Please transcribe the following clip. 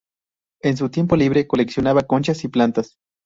En su tiempo libre coleccionaba conchas y plantas.